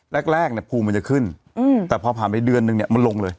แรกเนี่ยภูมิมันจะขึ้นแต่พอผ่านไปเดือนนึงเนี่ยมันลงเลย